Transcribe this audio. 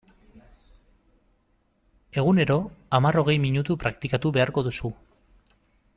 Egunero hamar-hogei minutu praktikatu beharko duzu.